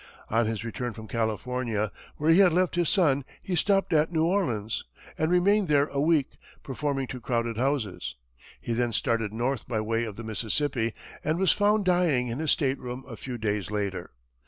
On his return from California, where he had left his son, he stopped at New Orleans, and remained there a week, performing to crowded houses. He then started north by way of the Mississippi, and was found dying in his stateroom a few days later.